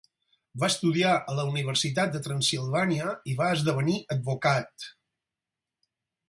Va estudiar a la Universitat de Transsilvània i va esdevenir advocat.